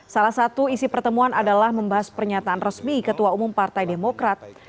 salah satu isi pertemuan adalah membahas pernyataan resmi ketua umum partai demokrat